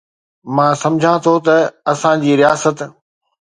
مان سمجهان ٿو ته اسان جي رياست